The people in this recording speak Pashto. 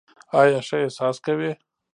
آیا ښه احساس کوې؟